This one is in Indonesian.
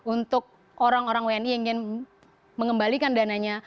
untuk orang orang wni yang ingin mengembalikan dananya